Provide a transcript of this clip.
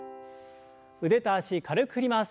腕と脚軽く振ります。